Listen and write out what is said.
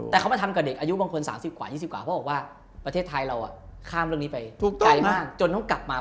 แต่เขามาทำกับเด็กอายุบางคน๓๐กว่า๒๐กว่าเพราะบอกว่าประเทศไทยเราข้ามเรื่องนี้ไปถูกใจมากจนต้องกลับมา